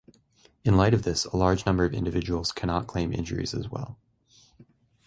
In light of this, a large number of individuals cannot claim injuries as well.